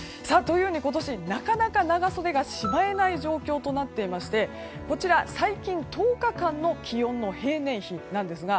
今年、なかなか長袖がしまえない状況になっていまして最近１０日間の気温の平年比なんですが